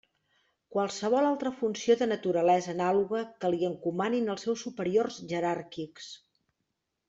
Qualsevol altra funció de naturalesa anàloga que li encomanin els seus superiors jeràrquics.